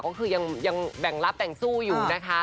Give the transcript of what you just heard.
ก็คือยังแบ่งรับแบ่งสู้อยู่นะคะ